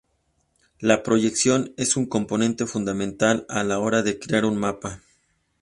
La proyección es un componente fundamental a la hora de crear un mapa.